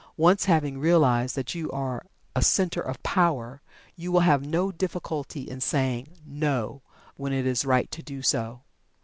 Once having realized that you are a Center of Power, you will have no difficulty in saying "No!" when it is right to do so.